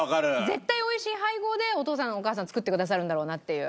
絶対美味しい配合でお父さんお母さん作ってくださるんだろうなっていう。